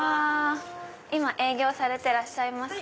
今営業されてらっしゃいますか？